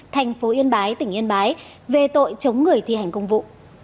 tp hcm về tội chống người thi hành công vụ